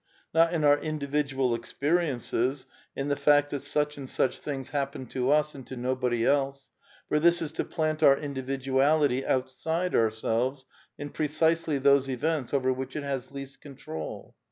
Not in our individual ex periences, in the fact that such and such things hap pened to us and to nobody else; for this is to plant our individuality outside ourselves in precisely those events * over which it has least control.